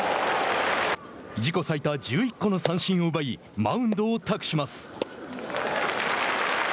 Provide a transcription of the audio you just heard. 自己最多１１個の三振を奪いマウンドを託します。